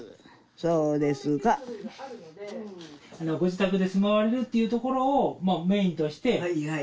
そうですかご自宅で住まわれるっていうところをメインとしてはい